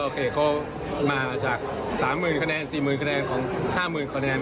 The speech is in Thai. โคก็มาจาก๓๐๐๐คะแนน๔๐๐คะแนนของ๕๐๐๐คะแนน